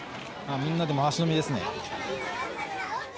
みんなで回し飲みですね。